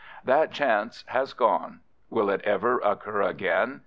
That chance has gone. Will it ever occur again?